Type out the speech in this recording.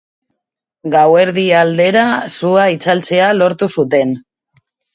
Gauerdi aldera sua itzaltzea lortu zuten.